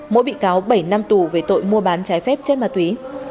mỗi bị cáo bảy năm tù về tội mua bán trái phép chất ma túy